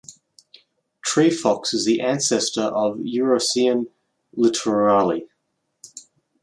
Tree Fox is the ancestor of the Urocyon littorali.